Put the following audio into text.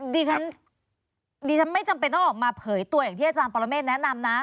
ดิฉันดิฉันไม่จำเป็นต้องออกมาเผยตัวอย่างที่อาจารย์ปรเมฆแนะนำนะ